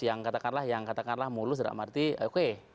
yang katakanlah mulus tidak mengerti oke